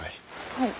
はい。